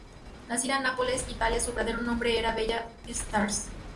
Nacida en Nápoles, Italia, su verdadero nombre era Bella Starace.